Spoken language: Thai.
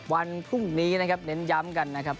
วันพรุ่งนี้นะครับเน้นย้ำกันนะครับ